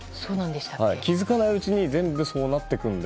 気づかないうちに全部そうなっていくんで。